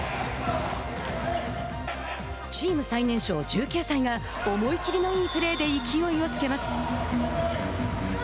チーム最年少１９歳が思い切りのいいプレーで勢いをつけます。